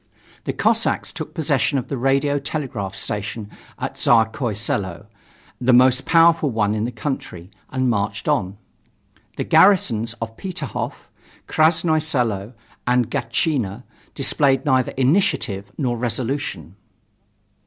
The Cossacks took possession of the radio telegraph station at Tsarskoye Selo, the most powerful one in the country, and marched on. The garrisons of Peterhof, Krasnoye Selo and Gatchina displayed neither initiative nor resolution.